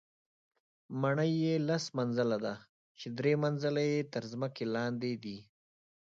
ماڼۍ یې لس منزله ده چې درې منزله یې تر ځمکې لاندې دي.